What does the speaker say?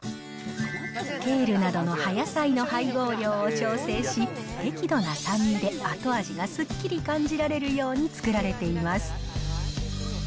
ケールなどの葉野菜の配合量を調整し、適度な酸味で後味がすっきり感じられるように作られています。